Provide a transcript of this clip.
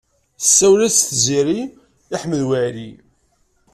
Tsawel-as Tiziri i Si Ḥmed Waɛli.